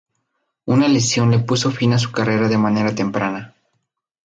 Una lesión le puso fin a su carrera de manera temprana.